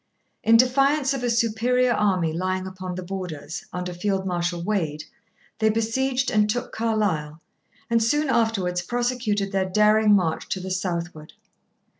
In defiance of a superior army lying upon the Borders, under Field Marshal Wade, they besieged and took Carlisle, and soon afterwards prosecuted their daring march to the southward.